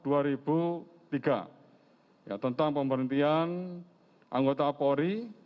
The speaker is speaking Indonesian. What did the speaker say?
yang ketiga tentang pemberhentian anggota apori